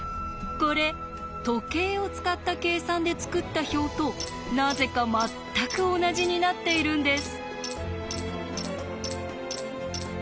これ時計を使った計算で作った表となぜか全く同じになっているんです。